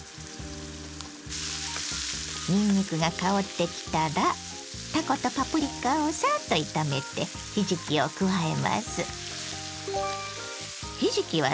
にんにくが香ってきたらたことパプリカをさっと炒めてひじきを加えます。